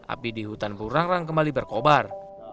api di hutan purang rang kembali berkobar